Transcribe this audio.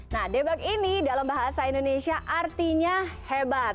nah debak ini dalam bahasa indonesia artinya hebat